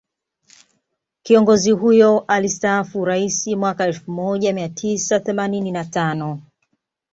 Kiongozi huyo alistaafu Uraisi mwaka elfu moja mia tisa themanini na tano